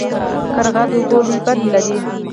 قرغه د اوبو لوی بند لري.